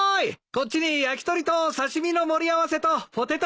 こっちに焼き鳥と刺し身の盛り合わせとポテトフライね。